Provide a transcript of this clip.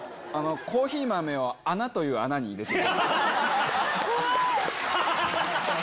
コーヒー豆を穴という穴に入れた。